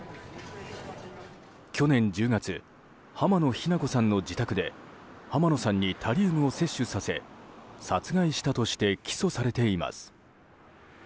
去年１０月浜野日菜子さんの自宅で浜野さんにタリウムを摂取させ殺害したとして起訴されています。